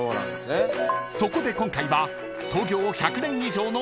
［そこで今回は］